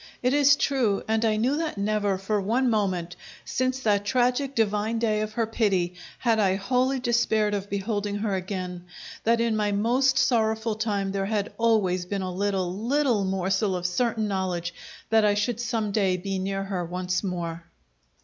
It is true, and I knew that never, for one moment, since that tragic, divine day of her pity, had I wholly despaired of beholding her again; that in my most sorrowful time there had always been a little, little morsel of certain knowledge that I should some day be near her once more.